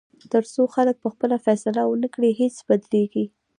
تر څو خلک پخپله فیصله ونه کړي، هیڅ بدلېږي.